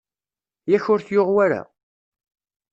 Yak ur t-yuɣ wara?